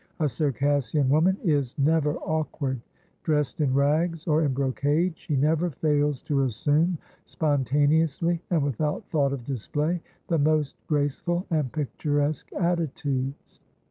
A Circassian woman is never awkward. Dressed in rags or in brocade, she never fails to assume, spontaneously and without thought of display, the most graceful and picturesque attitudes.